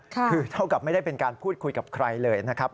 คือเท่ากับไม่ได้เป็นการพูดคุยกับใครเลยนะครับ